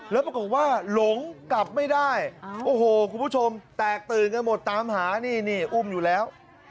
แล้วปรากฏว่าหลงกลับไม่ได้โอ้โหคุณผู้ชมแตกตื่นกันหมดตามหานี่นี่อุ้มอยู่แล้ว